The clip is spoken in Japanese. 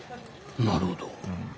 なるほど。